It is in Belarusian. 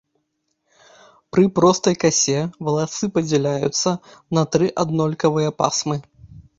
Пры простай касе валасы падзяляюцца на тры аднолькавыя пасмы.